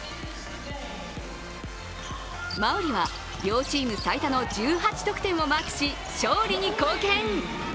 馬瓜は両チーム最多の１８得点をマークし、勝利に貢献。